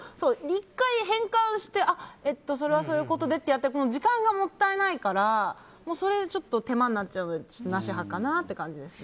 １回変換して、それはそうでって時間がもったいないからそれで手間になっちゃうのでなし派かなって感じです。